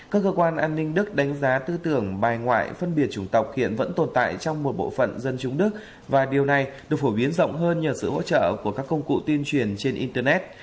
các cơ quan an ninh đức đánh giá tư tưởng bài ngoại phân biệt chủng tộc hiện vẫn tồn tại trong một bộ phận dân chúng đức và điều này được phổ biến rộng hơn nhờ sự hỗ trợ của các công cụ tuyên truyền trên internet